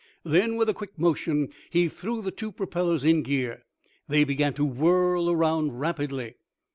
Then, with a quick motion he threw the two propellers in gear. They began to whirl around rapidly.